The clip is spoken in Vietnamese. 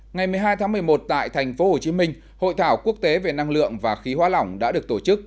ngày một mươi hai tháng một mươi một tại thành phố hồ chí minh hội thảo quốc tế về năng lượng và khí hóa lỏng đã được tổ chức